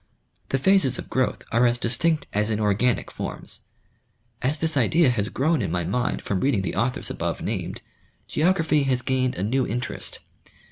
The phases of growth are as distinct as in organic forms. As this idea has grown in my mind from reading the authors above named, geography has gained a new interest.